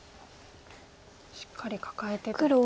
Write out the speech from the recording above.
しっかりカカえてと。